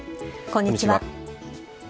こんにちは。